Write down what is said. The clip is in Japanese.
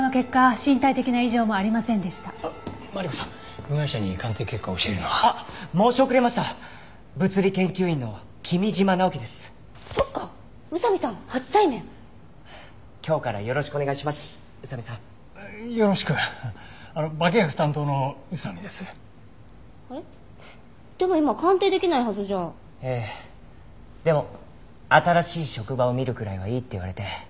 でも新しい職場を見るくらいはいいって言われて。